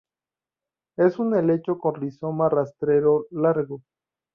Es un helecho con rizoma rastrero largo.